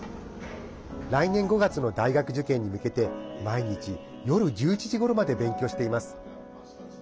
来年５月の大学受験に向けて毎日、夜１１時ごろまで勉強しています。